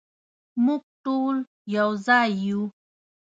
مونږ ټول یو ځای یو